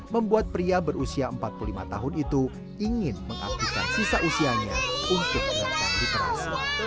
membuat pria berusia empat puluh lima tahun itu ingin mengaktifkan sisa usianya untuk makan di teras